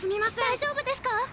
大丈夫ですか。